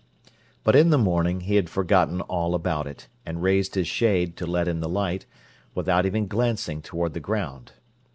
But in the morning he had forgotten all about it, and raised his shade, to let in the light, without even glancing toward the ground.